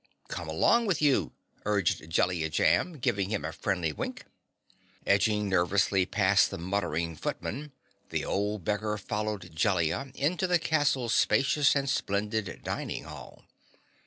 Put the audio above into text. "Come along with you," urged Jellia Jamb, giving him a friendly wink. Edging nervously past the muttering footman, the old beggar followed Jellia into the castle's spacious and splendid dining hall.